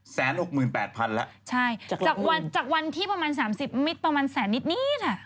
แสนหกหมื่นแปดพันแล้วจากวันที่ประมาณ๓๐มิตรประมาณแสนนิดค่ะ